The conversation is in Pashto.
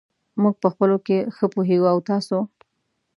موږ په خپلو کې ښه پوهېږو. او تاسو !؟